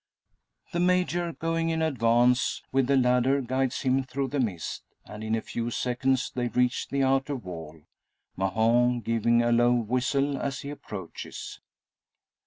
The Major going in advance with the ladder guides him through the mist; and in a few seconds they reach the outer wall, Mahon giving a low whistle as he approachs.